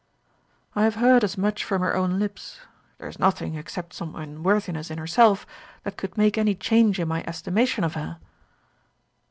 "I have heard as much from her own lips. There is nothing, except some unworthiness in herself, that could make any change in my estimation of her."